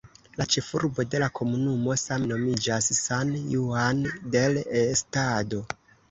La ĉefurbo de la komunumo same nomiĝas "San Juan del Estado".